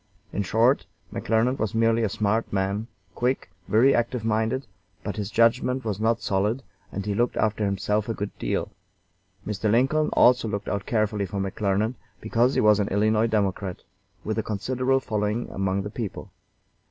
In short, McClernand was merely a smart man, quick, very active minded, but his judgment was not solid, and he looked after himself a good deal. Mr. Lincoln also looked out carefully for McClernand, because he was an Illinois Democrat, with a considerable following among the people.